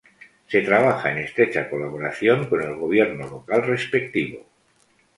Se trabaja en estrecha colaboración con el gobierno local respectivo.